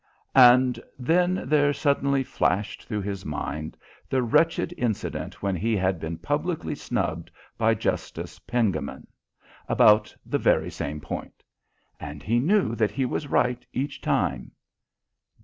And then there suddenly flashed through his mind the wretched incident when he had been publicly snubbed by Justice Pengammon about the very same point; and he knew that he was right each time.